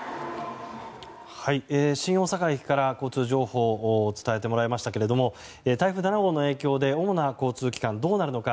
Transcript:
新大阪駅から交通情報を伝えてもらいましたが台風７号の影響で主な交通機関はどうなるのか。